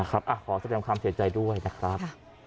ขอแสดงความเสียใจด้วยนะครับ